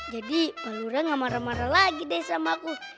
jadi palura gak marah marah lagi deh sama aku